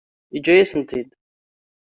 Yeǧǧa-yasent-t-id?